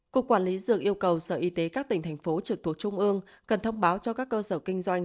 cục quản lý dược yêu cầu sở y tế các tỉnh thành phố trực thuộc trung ương cần thông báo cho các cơ sở kinh doanh